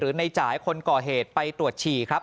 ในจ่ายคนก่อเหตุไปตรวจฉี่ครับ